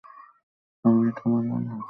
আমি এটা মানব না।